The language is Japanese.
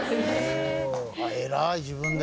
偉い自分で。